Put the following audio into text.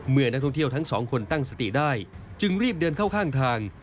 เมื่อนักท่องเที่ยวทั้งสองคนตั้งสติได้จึงรีบเดินเข้าข้างทาง